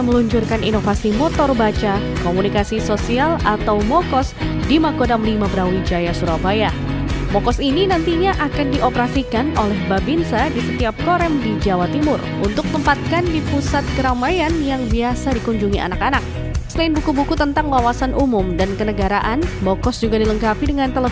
dengan inovasi motor baca ini diharapkan bisa mendekatkan tni dengan rakyat